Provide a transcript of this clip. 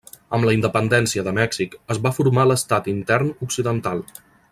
Amb la independència de Mèxic, es va formar l'estat intern occidental.